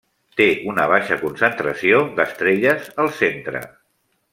Té una baixa concentració d'estrelles al centre.